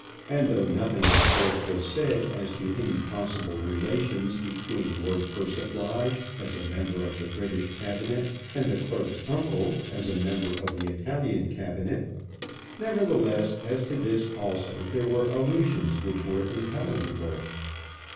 And though nothing of course was said as to any possible relations between Lord Persiflage as a member of the British Cabinet and the clerk's uncle as a member of the Italian Cabinet, nevertheless as to this also there were allusions which were intelligible.